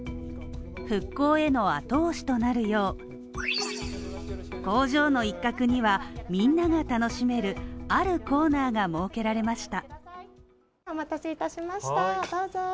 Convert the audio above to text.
復興への後押しとなるよう工場の一角にはみんなが楽しめる、あるコーナーが設けられました。